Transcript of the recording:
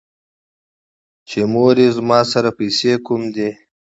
چې مورې زما سره پېسې کوم دي ـ